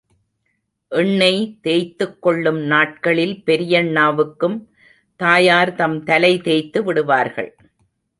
எண்ணெய் தேய்த்துக் கொள்ளும் நாட்களில் பெரியண்ணாவுக்கும் தாயார் தாம் தலை தேய்த்து விடுவார்கள்.